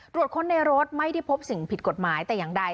ตรวจค้นในรถไม่ได้พบสิ่งผิดกฎหมายแต่อย่างใด